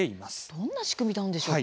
どんな仕組みなんでしょう。